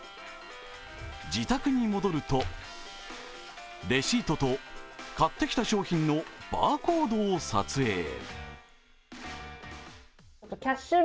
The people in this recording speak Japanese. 自宅に戻るとレシートと買ってきた商品のバーコードを撮影。